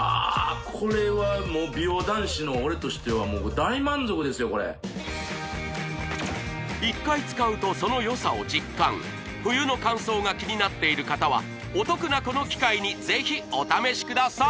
これはもう美容男子の俺としてはもう大満足ですよこれ一回使うとそのよさを実感冬の乾燥が気になっている方はお得なこの機会にぜひお試しください